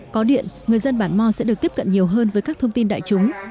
có điện người dân bản mò sẽ được tiếp cận nhiều hơn với các thông tin đại chúng